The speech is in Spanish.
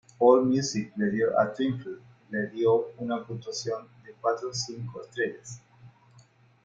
AllMusic le dio a "Twinkle" le dio una puntuación de cuatro de cinco estrellas.